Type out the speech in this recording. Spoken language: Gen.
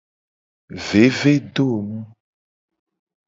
Vevedonu.